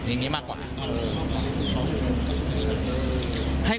อย่างนี้มากกว่า